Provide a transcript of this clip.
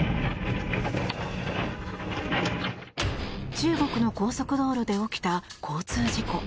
中国の高速道路で起きた交通事故。